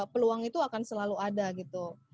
peluang itu akan selalu ada gitu